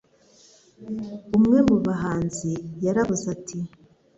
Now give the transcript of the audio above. Umwe mubahanzi yaravuze ati